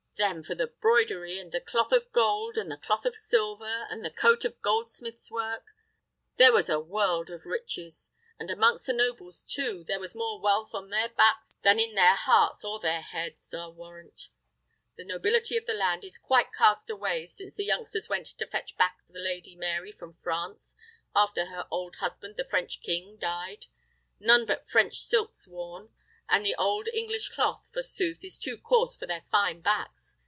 Then for the broidery, and the cloth of gold, and the cloth of silver, and the coat of goldsmiths' work: there was a world of riches! And amongst the nobles, too, there was more wealth on their backs than in their hearts or their heads, I'll warrant. The nobility of the land is quite cast away, since the youngsters went to fetch back the Lady Mary from France, after her old husband the French king died. None but French silks worn; and good English cloth, forsooth, is too coarse for their fine backs!